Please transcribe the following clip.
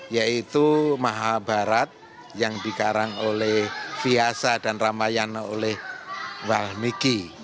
yaitu maha barat yang dikarang oleh fiasa dan ramayana oleh walmiki